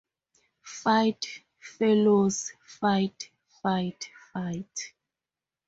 Fight, fellows, fight, fight, fight!